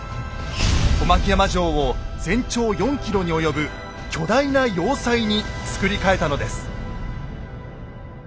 小牧山城を全長４ｋｍに及ぶ巨大な要塞に造り替えたのです。